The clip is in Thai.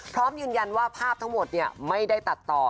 พร้อมยืนยันว่าภาพทั้งหมดไม่ได้ตัดต่อ